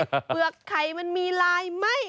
เปลือกไข่มันมีลายไหม้